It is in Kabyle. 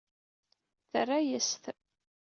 Terra-yas-t.